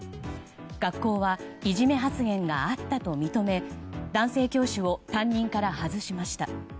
学校はいじめ発言があったと認め男性教師を担任から外しました。